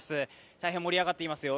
大変盛り上がっておりますよ。